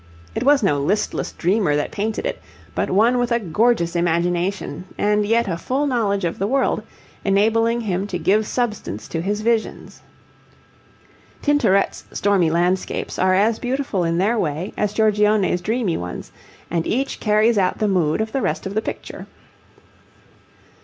It was no listless dreamer that painted it, but one with a gorgeous imagination and yet a full knowledge of the world, enabling him to give substance to his visions. Tintoret's stormy landscapes are as beautiful in their way as Giorgione's dreamy ones, and each carries out the mood of the rest of the picture.